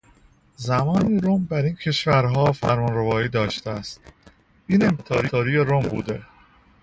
زمانی روم بر این کشورها فرمانروایی داشته است. این امپراتوری روم بوده است.